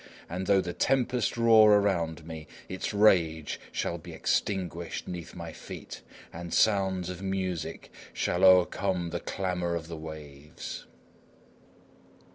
And though the tempest roar round me, its rage shall be extinguished 'neath my feet, and sounds of music shall o'ercome the clamor of the waves!